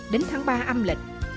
đến tháng ba âm lịch